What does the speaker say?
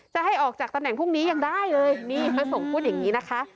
ให้ออกจากตำแหน่งพรุ่งนี้ยังได้เลยนี่พระสงฆ์พูดอย่างนี้นะคะ